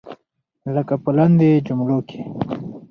لکه په لاندې جملو کې.